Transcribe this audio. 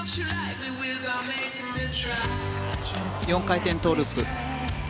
４回転トウループ。